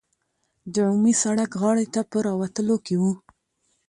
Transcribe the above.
د عمومي سړک غاړې ته په راوتلو کې وو.